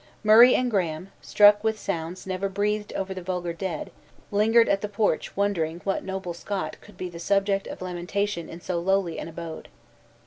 Murray and Graham, struck with sounds never breathed over the vulgar dead, lingered at the porch wondering what noble Scot could be the subject of lamentation in so lowly an abode.